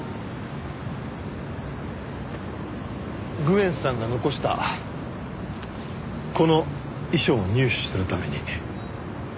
グエンさんが残したこの遺書を入手するために。